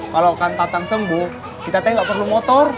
kalo kang tatang sembuh kita teh gak perlu motor